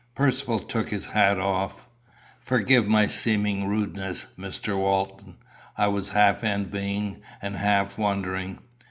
Percivale took his hat off. "Forgive my seeming rudeness, Mr. Walton. I was half envying and half wondering.